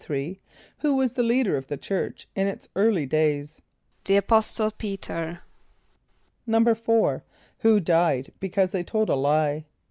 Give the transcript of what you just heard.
= Who was the leader of the church in its early days? =The Apostle P[=e]´t[~e]r.= =4.= Who died because they told a lie?